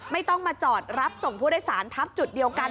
ไม่ต้องมาจอดรับส่งผู้โดยสารทับจุดเดียวกัน